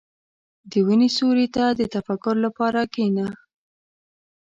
• د ونې سیوري ته د تفکر لپاره کښېنه.